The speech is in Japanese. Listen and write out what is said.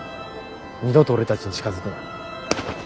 二度と俺たちに近づくな。